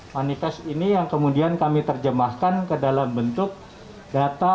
manifest ini yang kemudian kami terjemahkan ke dalam bentuk data